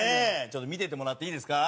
ちょっと見ててもらっていいですか？